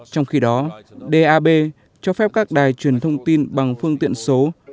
trong khi đó dap cho phép các đài truyền thông tin bằng phương tiện số